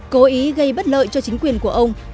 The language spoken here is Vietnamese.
cố ý gây bất lợi cho chính quyền của ông